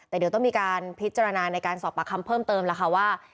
แต่เดี๋ยวต้องมีการพิจารณาในการสอบปากคำเพิ่มเติมแล้วค่ะว่า